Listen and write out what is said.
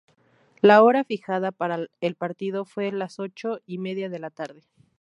La hora fijada para el partido fue las ocho y media de la tarde.